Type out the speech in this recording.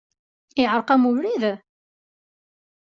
Iεreq-am ubrid?